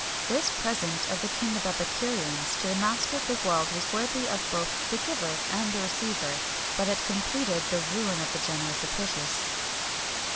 [XXI 234] This present of the king of epicureans to the master of the world was worthy of both the giver and receiver, but it completed the ruin of the generous Apicius.